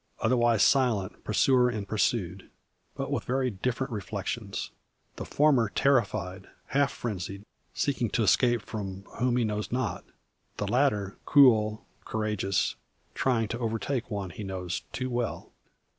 Otherwise silent, pursuer and pursued. But with very different reflections; the former terrified, half frenzied, seeking to escape from whom he knows not; the latter, cool, courageous, trying to overtake one he knows too well.